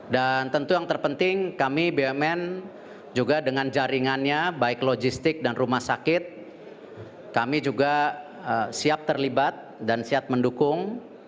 dan tentu yang terpenting kami bumn juga dengan jaringannya baik logistik dan rumah sakit kami juga siap terlibat dan siap mendukung